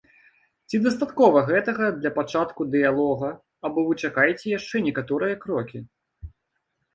Ці дастаткова гэтага для пачатку дыялога або вы чакаеце яшчэ некаторыя крокі?